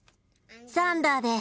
ザンダーです。